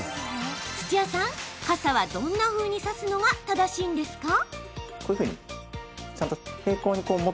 土屋さん、傘はどんなふうに差すのが正しいんですか？